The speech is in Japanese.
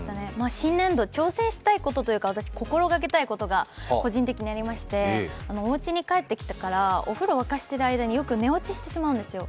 新年度挑戦したいことというか私、心がけたいことが個人的にありましておうちに帰ってきてからお風呂沸かしてる間によく寝落ちしてしまうんですよ。